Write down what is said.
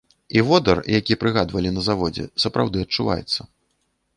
І водар, які прыгадвалі на заводзе, сапраўды адчуваецца.